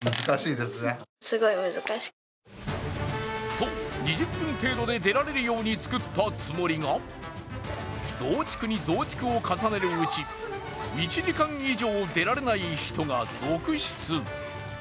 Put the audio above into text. そう、２０分程度で出られるように作ったつもりが、増築に増築を重ねるうち、１時間以上、出られない人が続出。